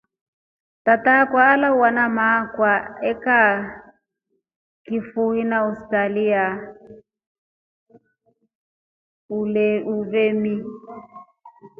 Tataa alawa na maakwa vekaaa kirwa longoni kifuii na hospital ya uveni.